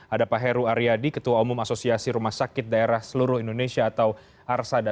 ada pak heru aryadi ketua umum asosiasi rumah sakit daerah seluruh indonesia atau arsada